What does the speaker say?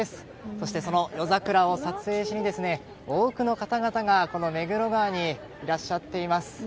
そして、その夜桜を撮影しに多くの方々がこの目黒川にいらっしゃっています。